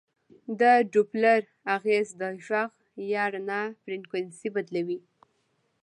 د ډوپلر اغېز د غږ یا رڼا فریکونسي بدلوي.